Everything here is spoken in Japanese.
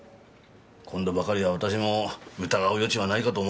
今度ばかりは私も疑う余地はないかと思いますが。